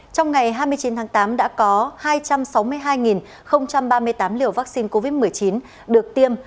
trong ngày hai mươi chín tháng tám đã có hai trăm sáu mươi hai ba mươi tám liều vaccine covid một mươi chín được tiêm